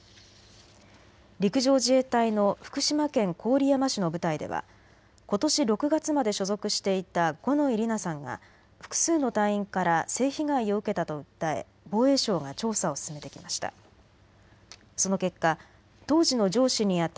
陸上自衛隊の福島県郡山市の部隊ではことし６月まで所属していた五ノ井里奈さんが複数の隊員から性被害を受けたと訴え防衛省が調査を進めてきました。